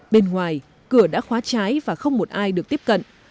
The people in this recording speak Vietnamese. bên ngoài cửa đã khóa trái và không một ai được tiếp cận